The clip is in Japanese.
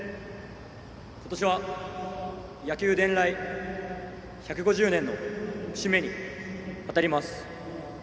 今年は野球伝来１５０年の節目に当たります。